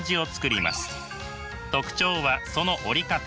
特徴はその織り方。